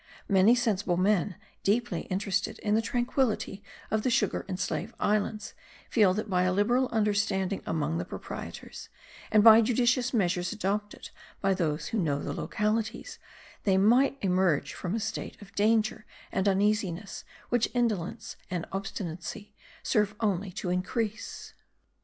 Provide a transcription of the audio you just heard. Many sensible men, deeply interested in the tranquillity of the sugar and slave islands, feel that by a liberal understanding among the proprietors, and by judicious measures adopted by those who know the localities, they might emerge from a state of danger and uneasiness which indolence and obstinacy serve only to increase.